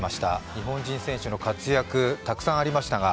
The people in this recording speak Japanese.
日本人選手の活躍たくさんありましたが、